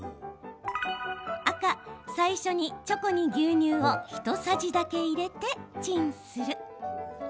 赤・最初に、チョコに牛乳を一さじだけ入れてチンする。